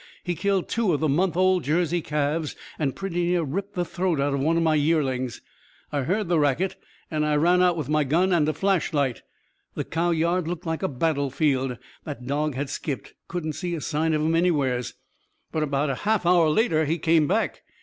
He killed two of the month old Jersey calves and pretty near ripped the throat out of one of my yearlings. I heard the racket and I ran out with my gun and a flashlight. The cow yard looked like a battlefield. The dog had skipped. Couldn't see a sign of him, anywheres. "But about half an hour later he came back.